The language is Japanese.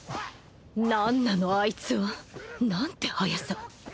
何なのあいつは何て速さ